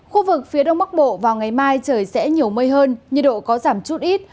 khu vực phía đông bắc bộ vào ngày mai trời sẽ nhiều mây hơn nhiệt độ có giảm chút ít